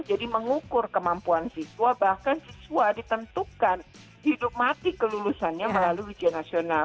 jadi mengukur kemampuan siswa bahkan siswa ditentukan hidup mati kelulusannya melalui ujian nasional